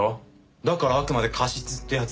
だからあくまで過失ってやつ。